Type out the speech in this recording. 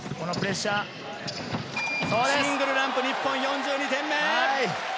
シングルランプ、日本４２点目。